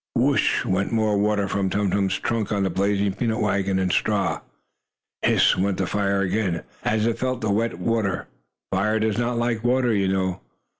Whooo ish! went more water from Tum Tum's trunk on the blazing peanut wagon and straw. Hiss! went the fire again, as it felt the wet water. Fire does not like water, you know.